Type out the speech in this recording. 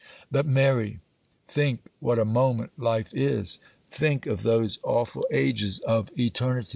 'But, Mary, think what a moment life is! think of those awful ages of eternity!